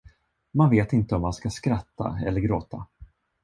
Man vet inte om man ska skratta eller gråta.